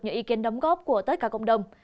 những ý kiến đóng góp của tất cả cộng đồng